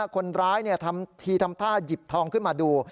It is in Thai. คนร้ายทำทีทำท่าหยิบทองขึ้นมาดู